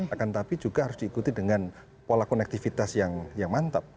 akan tetapi juga harus diikuti dengan pola konektivitas yang mantap